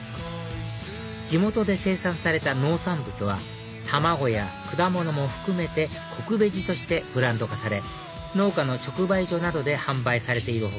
地元で生産された農産物は卵や果物も含めてこくベジとしてブランド化され農家の直売所などで販売されている他